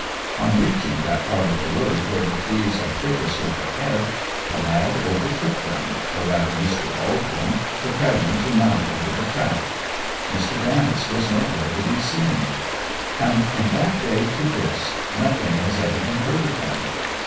On reaching that part of the road where the trees are thickest overhead, the lad overtook them, or rather Mr. Baldwin, preparing to mount into the trap. Mr. Dance was nowhere to be seen. And from that day to this nothing has ever been heard of him.